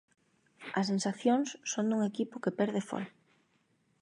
As sensacións son dun equipo que perde fol.